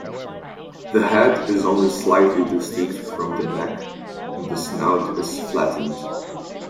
The head is only slightly distinct from the neck, and the snout is flattened.